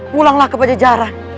pulanglah ke jajaran